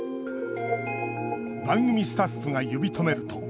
番組スタッフが呼び止めると。